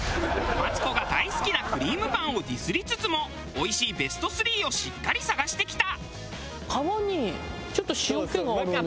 マツコが大好きなクリームパンをディスりつつもおいしいベスト３をしっかり探してきた。